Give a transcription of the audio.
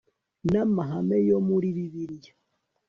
n amahame yo muri bibiliya